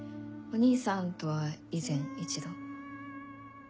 お兄さんとは以前一度。